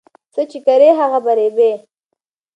څه چې کري هغه به رېبې